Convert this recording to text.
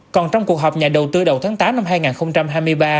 còn trong cuộc họp nhà đầu tư đầu tháng tám năm hai nghìn hai mươi ba